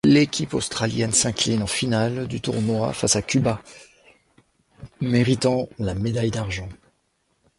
L'équipe australienne s'incline en finale du tournoi face à Cuba, méritant la médaille d'argent.